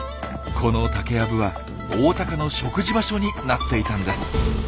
この竹やぶはオオタカの食事場所になっていたんです。